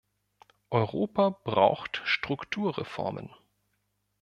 Europa braucht Strukturreformen.